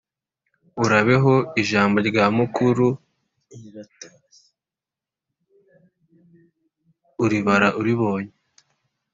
Urabeho! Ijambo rya mukuru uribara uribonye!